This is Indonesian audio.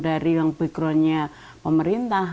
dari yang backgroundnya pemerintah